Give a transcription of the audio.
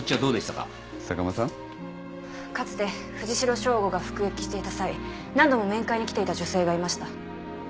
かつて藤代省吾が服役していた際何度も面会に来ていた女性がいました。